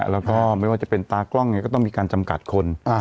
แล้วก็ไม่ว่าจะเป็นตากล้องก็ต้องมีการจำกัดคน